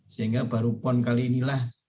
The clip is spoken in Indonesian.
sehingga baru pon kali inilah